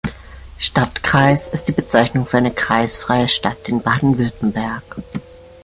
Stadtkreis ist die Bezeichnung für eine „kreisfreie Stadt“ in Baden-Württemberg.